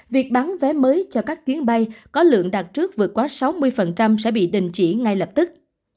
việc bán vé mới cho các chuyến bay có lượng đặt trước vượt quá sáu mươi sẽ bị đình chỉ ngay lập tức